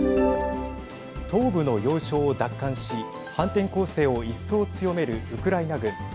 東部の要衝を奪還し反転攻勢を一層強めるウクライナ軍。